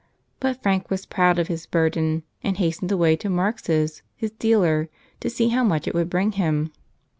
But Frank was proud of his burden and hastened away to Marx's, his dealer, to see how much it would bring him.